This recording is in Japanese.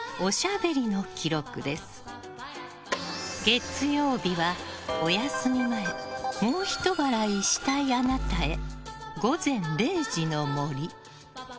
月曜日は、お休み前もうひと笑いしたいあなたへ。